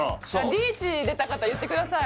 リーチ出た方言ってください